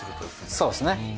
そうですね。